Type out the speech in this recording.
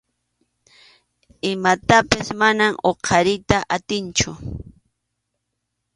Imatapas manam huqariyta atiychu.